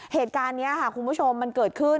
เหตุการณ์นี้ค่ะคุณผู้ชมมันเกิดขึ้น